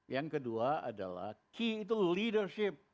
yang kedua adalah key itu leadership